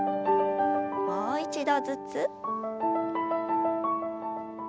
もう一度ずつ。